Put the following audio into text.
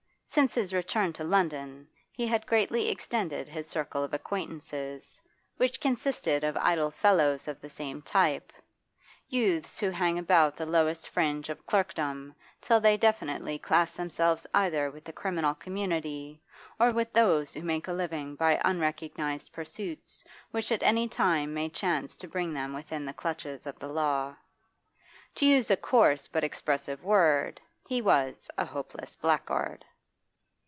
Since his return to London he had greatly extended his circle of acquaintances, which consisted of idle fellows of the same type, youths who hang about the lowest fringe of clerkdom till they definitely class themselves either with the criminal community or with those who make a living by unrecognised pursuits which at any time may chance to bring them within the clutches of the law. To use a coarse but expressive word, he was a hopeless blackguard.